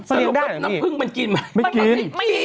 สรุปก็เป็นน้ำผึ้งมันกินไหมวะไม่กิน